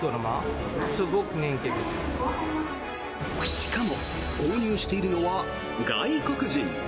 しかも購入しているのは外国人。